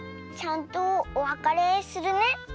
ちゃんとおわかれするね。